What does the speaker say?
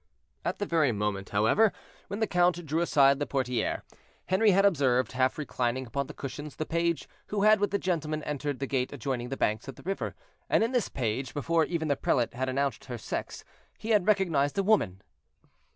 At the very moment, however, when the count drew aside the portière, Henri had observed, half reclining upon the cushions, the page who had with the gentleman entered the gate adjoining the banks of the river, and in this page, before even the prelate had announced her sex, he had recognized a woman.